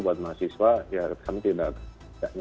buat mahasiswa ya kan tidak